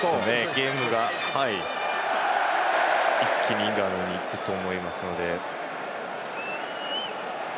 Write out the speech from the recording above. ゲームが一気にイングランドに行くと思います。